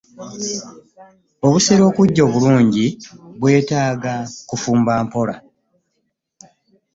Obusera okuggya obulungi bwetaaga kufumba mpola .